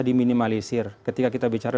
diminimalisir ketika kita bicara